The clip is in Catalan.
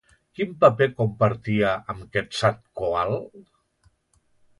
Quin paper compartia amb Quetzalcoatl?